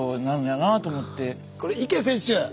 これ池選手